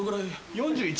４１